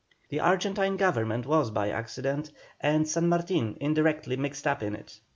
The Argentine Government was by accident, and San Martin indirectly mixed up in it.